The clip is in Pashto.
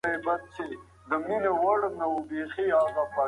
که تمرین ونه شي، بدن کمزوری کېږي.